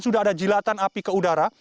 sudah ada jilatan api ke udara